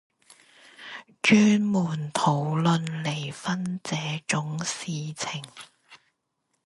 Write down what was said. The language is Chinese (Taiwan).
專門討論離婚這種事情